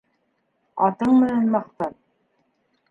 Атың менән маҡтан.